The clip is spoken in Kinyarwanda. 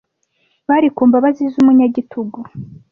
bari ku mbabazi z'umunyagitugu